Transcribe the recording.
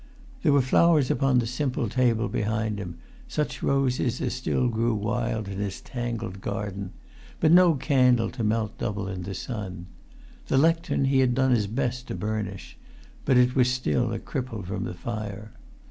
There were flowers upon the simple table behind him, such roses as still grew wild in his tangled garden, but no candle to melt double in the sun. The lectern he had done his best to burnish; but it was still a cripple from the fire.